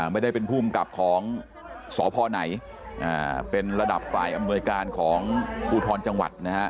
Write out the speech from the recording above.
ไม่ได้เป็นภูมิกับของสพไหนเป็นระดับฝ่ายอำนวยการของภูทรจังหวัดนะฮะ